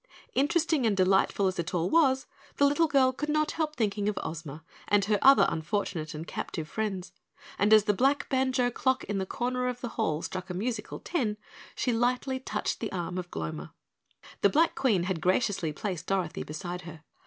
Interesting and delightful as it all was, the little girl could not help thinking of Ozma and her other unfortunate and captive friends, and as the black banjo clock in the corner of the hall struck a musical ten, she lightly touched the arm of Gloma. The Black Queen had graciously placed Dorothy beside her.